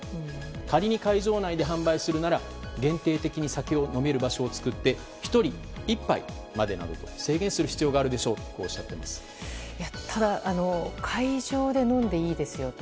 仮に会場内で販売するなら限定的に酒を飲める場所を作って１人１杯までなど制限する必要があるでしょうとただ会場で飲んでいいですよと。